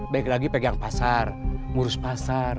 baik lagi pegang pasar ngurus pasar